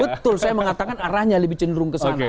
betul saya mengatakan arahnya lebih cenderung ke sana